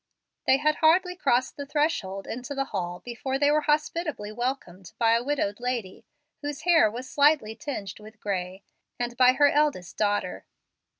They had hardly crossed the threshold into the hall before they were hospitably welcomed by a widowed lady, whose hair was slightly tinged with gray, and by her eldest daughter.